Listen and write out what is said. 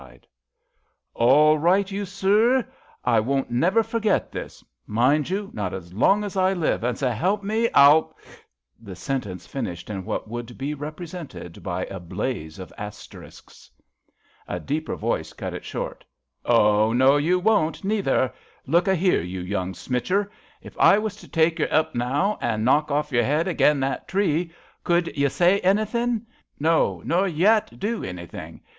100 THE LIKES 0' US 101 " All right, you soor — ^I won't never forget this —mind you, not as long as I live, and s* 'elp me —I'll '' The sentence finished in what could be represented by a blaze of asterisks. A deeper voice cut it short :'' Oh, no, you won't, neither! Look a here, you young smitcher. If I was to take yer up now, and knock off your 'ead again' that tree, could ye say anythin'J No, nor yet do anythin '.